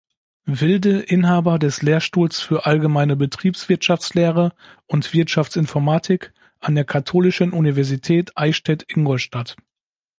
Wilde Inhaber des Lehrstuhls für Allgemeine Betriebswirtschaftslehre und Wirtschaftsinformatik an der Katholischen Universität Eichstätt-Ingolstadt.